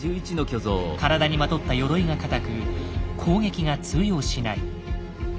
体にまとった鎧が硬く攻撃が通用しない。